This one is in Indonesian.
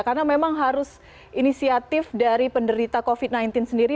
karena memang harus inisiatif dari penderita covid sembilan belas sendiri